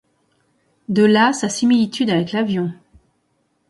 De là sa similitude avec l'avion.